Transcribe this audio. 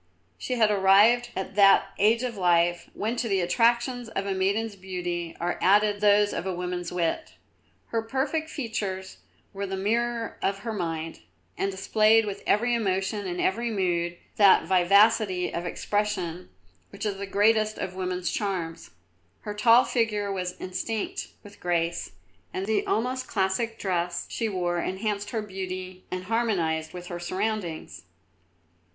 She had arrived at that age of life, when to the attractions of a maiden's beauty are added those of a woman's wit. Her perfect features were the mirror of her mind, and displayed with every emotion and every mood that vivacity of expression which is the greatest of woman's charms. Her tall figure was instinct with grace, and the almost classic dress she wore enhanced her beauty and harmonised with her surroundings.